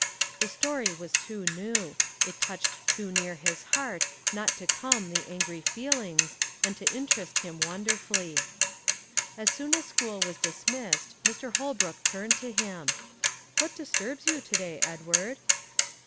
The story was too new; it touched too near his heart not to calm the angry feelings and to interest him wonderfully. As soon as school was dismissed, Mr. Holbrook turned to him. "What disturbs you to day, Edward?"